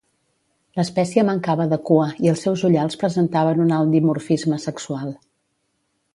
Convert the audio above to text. L'espècie mancava de cua i els seus ullals presentaven un alt dimorfisme sexual.